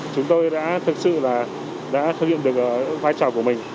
chúng tôi đã thực sự là đã thực hiện được vai trò của mình